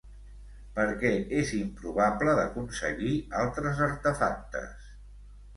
Per què és improbable d'aconseguir altres artefactes?